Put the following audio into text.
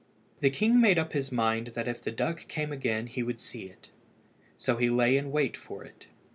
The king made up his mind that if the duck came again he would see it, so he lay in wait for it.